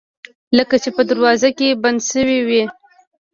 لکه چې په دروازه کې بنده شوې وي